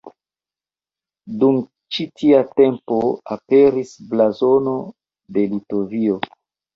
Dum ĉi tia tempo aperis Blazono de Litovio.